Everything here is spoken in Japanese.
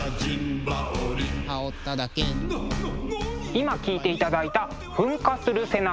今聴いていただいた「噴火する背中」。